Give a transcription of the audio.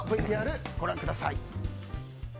ＶＴＲ、ご覧ください。